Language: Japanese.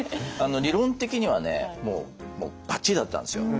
理論的にはもうバッチリだったんですよ。